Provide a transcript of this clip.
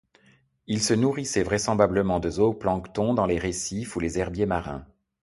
Il se nourrissait vraisemblablement de zooplancton dans les récifs ou les herbiers marins.